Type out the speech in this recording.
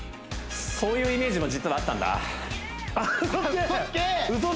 そういうイメージも実はあったんだ嘘